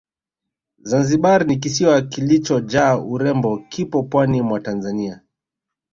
Zanzibari ni kisiwa kilichojaa urembo kipo pwani mwa Tanzania